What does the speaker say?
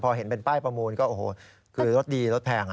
พอเห็นเป็นป้ายประมูลก็โอ้โหคือรถดีรถแพง